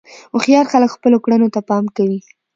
هوښیار خلک خپلو کړنو ته پام کوي.